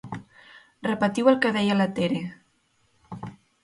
Repetiu el que deia la Tere.